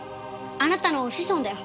あなたの子孫だよ。